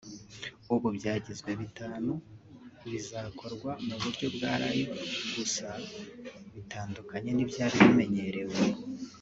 ubu byagizwe bitanu bizakorwa mu buryo bwa live gusa bitandukanye n’ibyari bimenyerewe